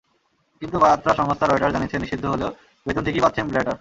কিন্তু বার্তা সংস্থা রয়টার্স জানিয়েছে, নিষিদ্ধ হলেও বেতন ঠিকই পাচ্ছেন ব্ল্যাটার।